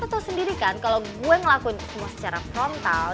lo tau sendiri kan kalo gue ngelakuin semua secara frontal